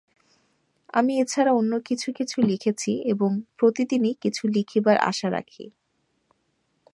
আমি এছাড়া অন্য কিছু কিছু লিখেছি এবং প্রতিদিনই কিছু লিখিবার আশা রাখি।